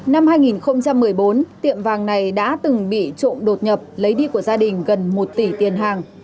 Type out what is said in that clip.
năm hai nghìn một mươi bốn tiệm vàng này đã từng bị trộm đột nhập lấy đi của gia đình gần một tỷ tiền hàng